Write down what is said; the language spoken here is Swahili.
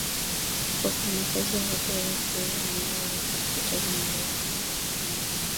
wafanyakazi hawakuweza kuandaa vifaa vyote vinavyookoa maisha